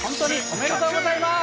おめでとうございます。